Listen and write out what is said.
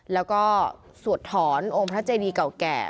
แล้วก็สวดถอนองค์พระเจดีเก่าแก่